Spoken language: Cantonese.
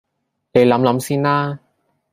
你諗諗先啦